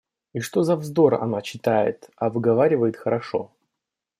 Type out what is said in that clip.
И что за вздор она читает, а выговаривает хорошо.